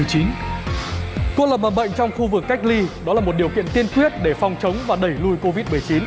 cô lập bằng bệnh trong khu vực cách ly đó là một điều kiện tiên quyết để phong chống và đẩy lui covid một mươi chín